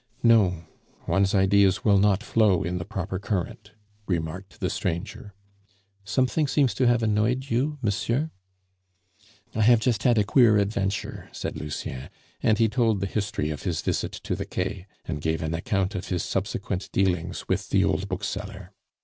"No; one's ideas will not flow in the proper current," remarked the stranger. "Something seems to have annoyed you, monsieur?" "I have just had a queer adventure," said Lucien, and he told the history of his visit to the Quai, and gave an account of his subsequent dealings with the old bookseller.